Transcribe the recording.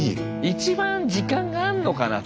一番時間があんのかな